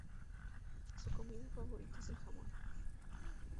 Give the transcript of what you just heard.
Su comida favorita es el jamón.